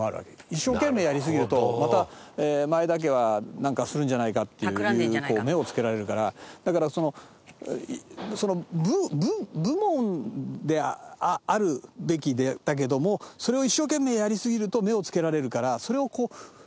一生懸命やりすぎるとまた前田家はなんかするんじゃないかっていうこう目を付けられるからだからその武門であるべきだけどもそれを一生懸命やりすぎると目を付けられるからそれをこうなんていうの？